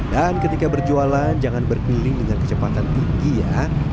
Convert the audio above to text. dan ketika berjualan jangan berpiling dengan kecepatan tinggi ya